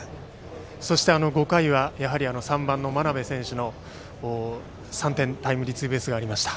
そして５回は３番の真鍋選手の３点タイムリーツーベースがありました。